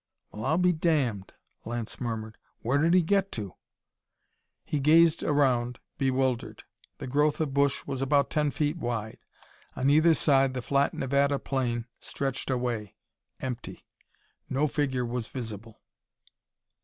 "Well I'll be damned!" Lance murmured. "Where did he get to?" He gazed around, bewildered. The growth of bush was about ten feet wide. On either side the flat Nevada plain stretched away empty. No figure was visible.